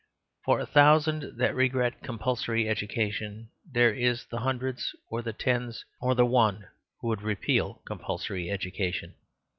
For a thousand that regret compulsory education, where is the hundred, or the ten, or the one, who would repeal compulsory education?